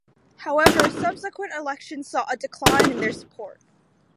However, subsequent elections saw a decline in their support.